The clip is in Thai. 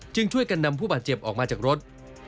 ช่วยกันนำผู้บาดเจ็บออกมาจากรถ